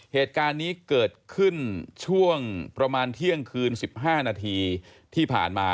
เหตุการณ์นี้เกิดขึ้นช่วงประมาณเที่ยงคืน๑๕นาทีที่ผ่านมา